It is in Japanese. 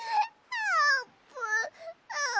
あーぷん！